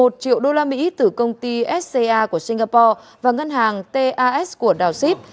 một mươi một triệu usd từ công ty sca của singapore và ngân hàng tas của dow seed